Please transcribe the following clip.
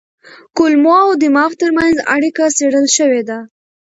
کولمو او دماغ ترمنځ اړیکه څېړل شوې ده.